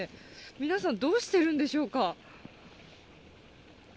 皆さんどうしてるんでしょうか。